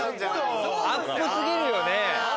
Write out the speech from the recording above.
アップ過ぎるよね。